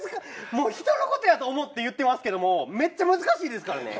もう人のことやと思って言ってますけどもめっちゃ難しいですからね。